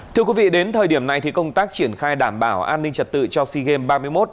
thưa quý vị đến thời điểm này thì công tác triển khai đảm bảo an ninh trật tự cho sea games ba mươi một